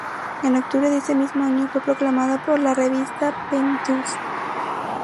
En octubre de ese mismo año fue proclamada por la revista Penthouse.